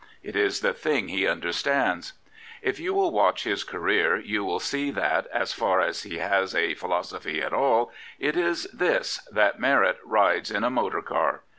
It is the thing he under stands. If you will watch his career you will see that, as far as he has a philosophy at all, it is this, that merit rides in a motor car.